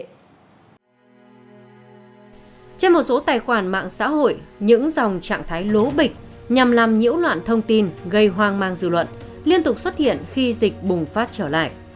trên một số tài khoản mạng xã hội những dòng trạng thái lố bịch nhằm làm nhiễu loạn thông tin gây hoang mang dư luận liên tục xuất hiện khi dịch bùng phát trở lại